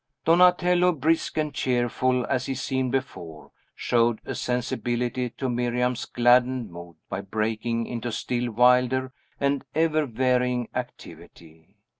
Donatello, brisk and cheerful as he seemed before, showed a sensibility to Miriam's gladdened mood by breaking into still wilder and ever varying activity.